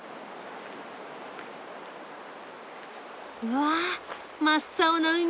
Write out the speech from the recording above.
わあ真っ青な海。